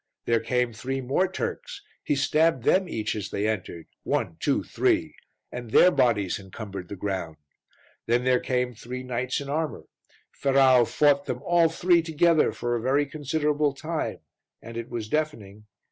There came three more Turks; he stabbed them each as they entered one, two, three and their bodies encumbered the ground. Then there came three knights in armour; Ferrau fought them all three together for a very considerable time and it was deafening.